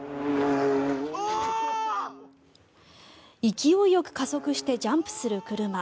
勢いよく加速してジャンプする車。